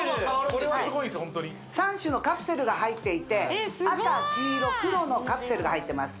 これはすごいですホントに３種のカプセルが入っていて赤黄色黒のカプセルが入ってます